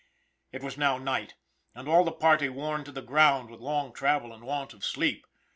It was now night, and all the party worn to the ground with long travel and want of sleep.